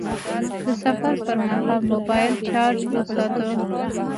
د سفر پر مهال موبایل چارج وساته..